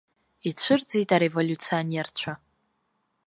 Ицәырҵит ареволиуционерцәа.